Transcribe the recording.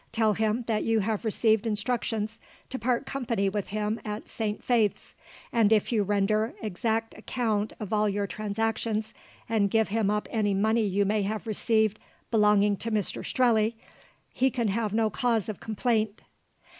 Tell him that you have received instructions to part company with him at Saint Faith's; and if you render exact account of all your transactions, and give him up any money you may have received belonging to Mr Strelley, he can have no cause of complaint."